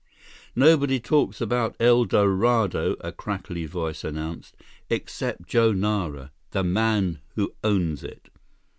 "Nobody talks about El Dorado," a crackly voice announced, "except Joe Nara, the man who owns it."